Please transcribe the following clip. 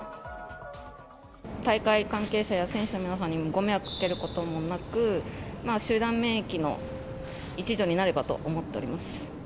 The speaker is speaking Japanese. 大会関係者や選手の皆さんにご迷惑かけることもなく、集団免疫の一助になればと思っております。